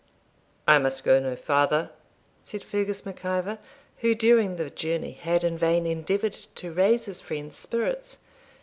'I must go no farther,' said Fergus Mac Ivor, who during the journey had in vain endeavoured to raise his friend's spirits.